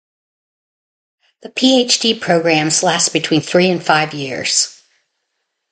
The Ph.D. programs last between three and five years.